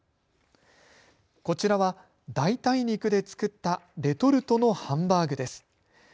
こちらは代替肉で作ったレトルトのハンバーグです。